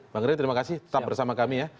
bang ray terima kasih tetap bersama kami ya